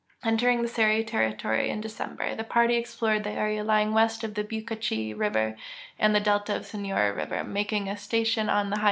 Entering the Seri territory early in December, the party explored the area lying west of Bacuachi river and the delta of Sonora river, making a station on the highe.